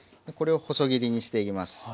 これを細切りにしていきます。